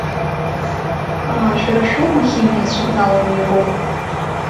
Аа, шәара шәоума химиа иацәыбналаны иҟоу?